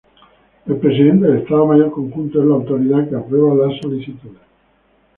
El Presidente del Estado Mayor Conjunto es la autoridad que aprueba las solicitudes.